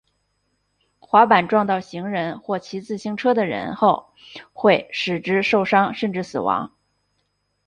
滑板撞到行人或骑自行车的人后会使之受伤甚至死亡。